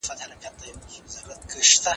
کلتوري ارزښتونو پر پخوانيو سياستونو اغېز درلود.